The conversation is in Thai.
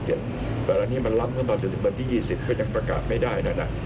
แต่อันนี้มันล้ำเข้ามาจนถึงวันที่๒๐ก็ยังประกาศไม่ได้แล้วนะ